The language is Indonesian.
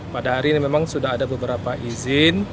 pada hari ini memang sudah ada beberapa izin